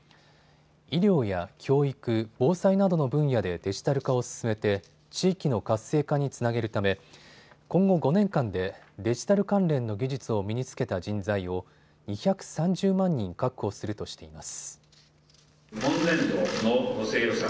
医療や教育、防災などの分野でデジタル化を進めて地域の活性化につなげるため今後５年間でデジタル関連の技術を身につけた人材を２３０万人確保するとしています。